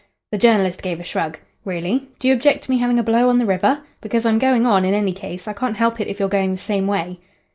The journalist gave a shrug. "Really? Do you object to me having a blow on the river? Because I'm going on, in any case. I can't help it if you're going the same way."